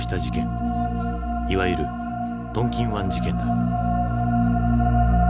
いわゆるトンキン湾事件だ。